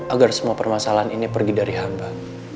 agar semua permasalahan ini pergi dari hamba